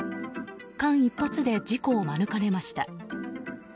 間一髪で事故を免れました。